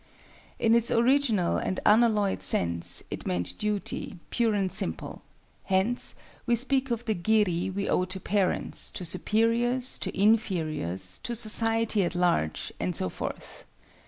In its original and unalloyed sense, it meant duty, pure and simple,—hence, we speak of the Giri we owe to parents, to superiors, to inferiors, to society at large, and so forth.